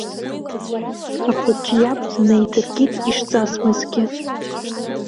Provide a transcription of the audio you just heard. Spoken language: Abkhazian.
Ахәыҷ иаб днаидыркит ишҵасмызгьы.